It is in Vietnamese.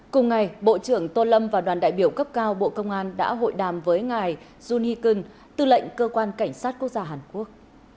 cùng ngày bộ trưởng tô lâm và đoàn đại biểu cấp cao bộ công an đã hội đàm với ngài junikun tư lệnh cơ quan cảnh sát quốc gia hàn quốc